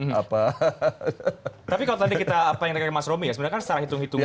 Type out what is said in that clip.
tapi kalau tadi kita apa yang terkait mas romi ya